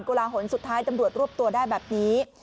ลาหลสุดท้ายตำรวจรวบตัวได้แบบนี้